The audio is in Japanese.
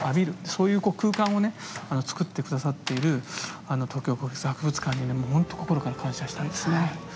そういう空間をねつくって下さっている東京国立博物館にねほんと心から感謝したいですね。